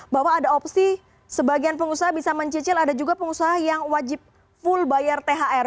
bahwa ada opsi sebagian pengusaha bisa mencicil ada juga pengusaha yang wajib full bayar thr